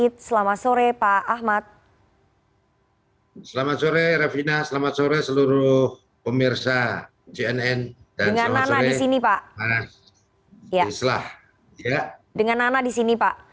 dengan nana di sini pak